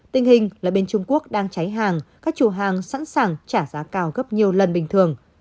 tình hình là bên trung quốc đang cháy hàng các chủ hàng sẵn sàng trả giá cao gấp nhiều lần bình thường